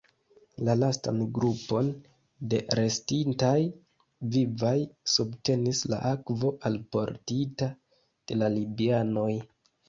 La lastan grupon da restintaj vivaj subtenis la akvo, alportita de la libianoj.